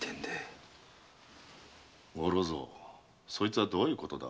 五六蔵そいつはどういうことだ？